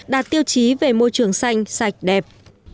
đạt tiêu chí về môi trường xanh sạch đẹp